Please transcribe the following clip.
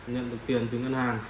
nhận được tiền từ ngân hàng